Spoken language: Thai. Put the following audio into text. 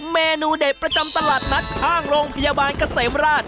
เมนูเด็ดประจำตลาดนัดข้างโรงพยาบาลเกษมราช